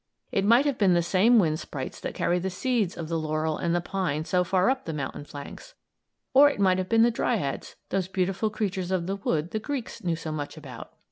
It might have been the same wind sprites that carry the seeds of the laurel and the pine so far up the mountain flanks. Or it might have been the dryads, those beautiful creatures of the wood the Greeks knew so much about.